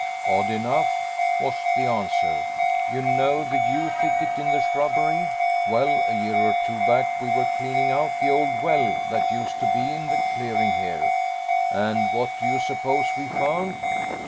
'Odd enough,' was the answer. 'You know the yew thicket in the shrubbery: well, a year or two back we were cleaning out the old well that used to be in the clearing here, and what do you suppose we found?'